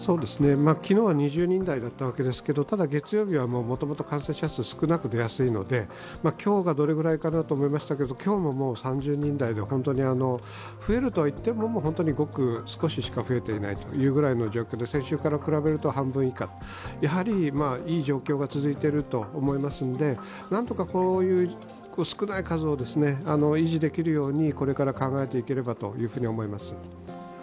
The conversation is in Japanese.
昨日は２０人台だったわけですけどただ月曜日はもともと感染者数が少なく出やすいので、今日がどれくらいかなと思いましたが今日も３０人台で、増えるとはいっても本当にごく少ししか増えていない状況で、先週から比べると半分以下、やはりいい状況が続いていると思いますので何とかこういう少ない数を維持できるようにこれから考えていければと思います。